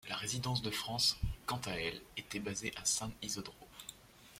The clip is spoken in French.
La résidence de France, quant à elle, était basée à San Isidro.